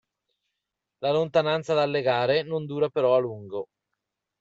La lontananza dalle gare non dura però a lungo.